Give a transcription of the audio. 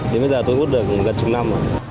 đến bây giờ tôi hút được gần chục năm rồi